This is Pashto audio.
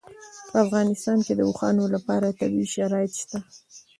په افغانستان کې د اوښانو لپاره طبیعي شرایط شته.